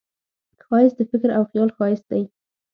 ښایست د فکر او خیال ښایست دی